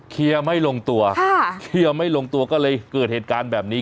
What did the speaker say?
เคลียร์ไม่ลงตัวเคลียร์ไม่ลงตัวก็เลยเกิดเหตุการณ์แบบนี้